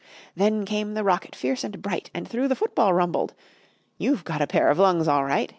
Then came the rocket, fierce and bright, And through the football rumbled. "You've got a pair of lungs, all right!"